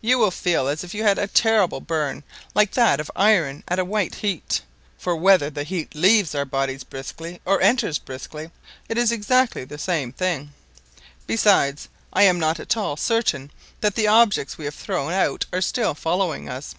"You will feel as if you had had a terrible burn, like that of iron at a white heat; for whether the heat leaves our bodies briskly or enters briskly, it is exactly the same thing. Besides, I am not at all certain that the objects we have thrown out are still following us."